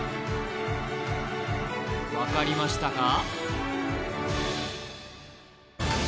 分かりましたか？